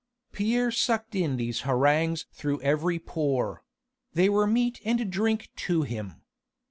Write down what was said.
Pierre sucked in these harangues through every pore: they were meat and drink to him.